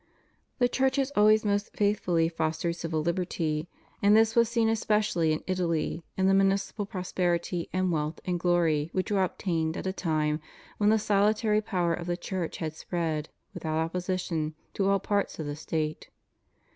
The Church has always most faithfully fostered civil hberty, and this was seen especially in Italy, in the municipal prosperity, and wealth, and glory, which were obtained at a time when the salutary power of the Church had spread, with out opposition, to all parts of the State.